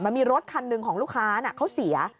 มันมีรถคันหนึ่งของลูกค้าเขาเสีย